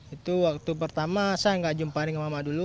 itu waktu pertama saya enggak jumpa mama dulu